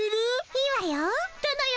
いいわよ。